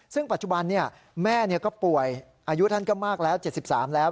ซึ่งปัจจุบันแม่ก็ป่วยอายุท่านก็มากแล้ว๗๓แล้ว